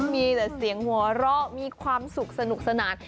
มีแต่เสียงหัวเราะมีความสุขสนุกสนาน